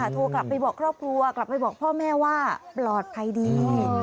โทรกลับไปบอกครอบครัวกลับไปบอกพ่อแม่ว่าปลอดภัยดี